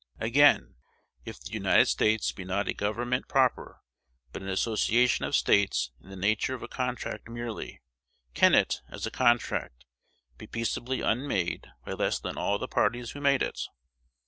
Again, if the United States be not a government proper, but an association of States in the nature of a contract merely, can it, as a contract, be peaceably unmade by less than all the parties who made it?